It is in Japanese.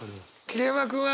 桐山君は？